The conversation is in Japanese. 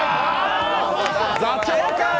座長かよ！